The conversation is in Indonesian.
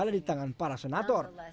ada di tangan para senator